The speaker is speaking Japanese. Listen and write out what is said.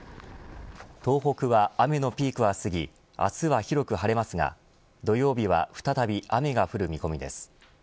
東北は雨のピークは過ぎ明日は広く晴れますが土曜日は再び雨が降る見込みです。